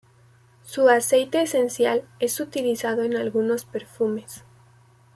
Su aceite esencial es utilizado en algunos perfumes.